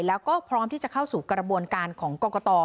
แล้วก็พร้อมที่จะเข้าสู่กระบวนการของกรกต